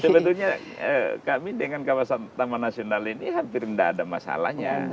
sebetulnya kami dengan kawasan taman nasional ini hampir tidak ada masalahnya